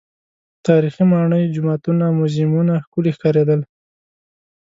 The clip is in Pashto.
تاریخي ماڼۍ، جوماتونه، موزیمونه ښکلي ښکارېدل.